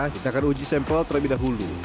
kita akan uji sampel terlebih dahulu